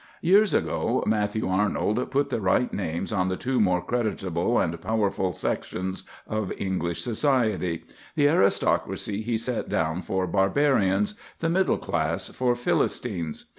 Years ago Matthew Arnold put the right names on the two more creditable and powerful sections of English society. The aristocracy he set down for Barbarians, the middle class for Philistines.